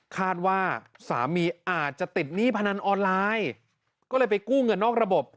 คาดว่าสามีอาจจะติดหนี้พนันออนไลน์ก็เลยไปกู้เงินนอกระบบ